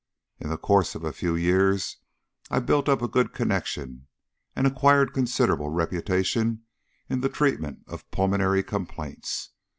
In the course of a few years I built up a good connection and acquired considerable reputation in the treatment of pulmonary complaints.